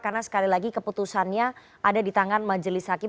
karena sekali lagi keputusannya ada di tangan majelis hakim